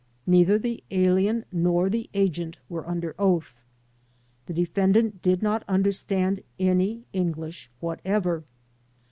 Neither the alien nor the agent were under oath. The defendant did not understand any English whatever.